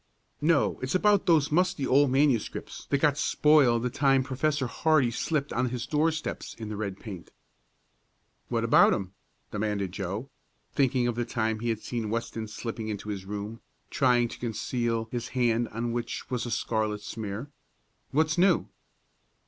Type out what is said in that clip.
"No, it's about those musty old manuscripts that got spoiled the time Professor Hardee slipped on his doorsteps in the red paint." "What about 'em?" demanded Joe, thinking of the time he had seen Weston slipping into his room, trying to conceal his hand on which was a scarlet smear. "What's new?"